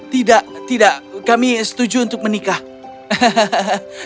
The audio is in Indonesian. tidak tidak kami setuju untuk menikah hahaha